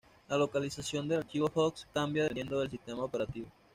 La localización del archivo hosts cambia dependiendo del sistema operativo.